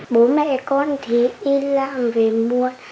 bố mẹ con thì y lạng về mua